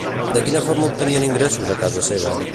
De quina forma obtenien ingressos a casa seva?